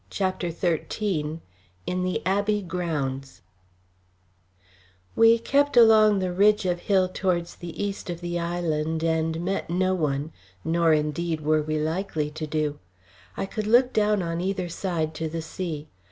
CHAPTER XIII IN THE ABBEY GROUNDS We kept along the ridge of hill towards the east of the island, and met no one, nor, indeed, were we likely to do. I could look down on either side to the sea.